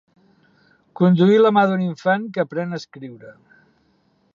Conduir la mà d'un infant que aprèn a escriure.